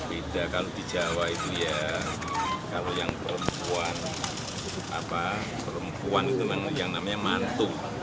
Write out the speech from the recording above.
beda kalau di jawa itu ya kalau yang perempuan itu yang namanya mantu